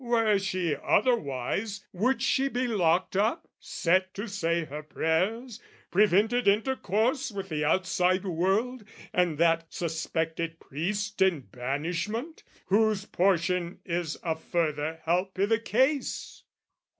Were she otherwise "Would she be locked up, set to say her prayers, "Prevented intercourse with the outside world, "And that suspected priest in banishment, "Whose portion is a further help i' the case?